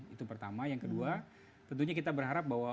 itu pertama yang kedua tentunya kita berharap bahwa